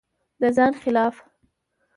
د ځان خلاف